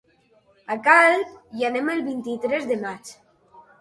A Calp hi anem el vint-i-tres de maig.